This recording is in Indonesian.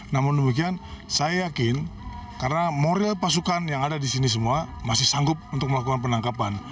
namun demikian saya yakin karena moral pasukan yang ada di sini semua masih sanggup untuk melakukan penangkapan